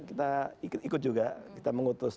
kita ikut juga kita mengutus